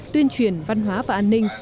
tuyên truyền văn hóa và an ninh